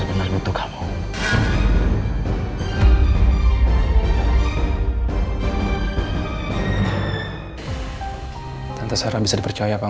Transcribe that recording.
pematuhan adaal mereka berkurang